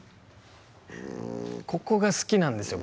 ここが好きなんですよ